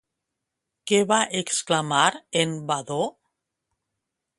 Què va exclamar en Vadó?